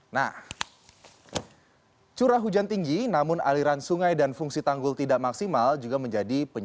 nah curah hujan tinggi namun aliran sungai dan fungsi tanggul tidak maksimal juga menjadi penyebab